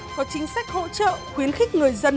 có chính sách hỗ trợ khuyến khích người dân